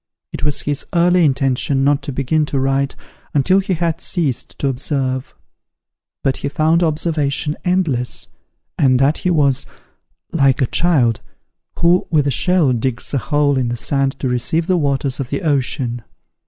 It was his early intention not to begin to write until he had ceased to observe; but he found observation endless, and that he was "like a child who with a shell digs a hole in the sand to receive the waters of the ocean."